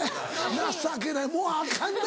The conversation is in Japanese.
情けないもうアカンな。